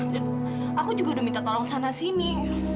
dan aku juga udah minta tolong sana sini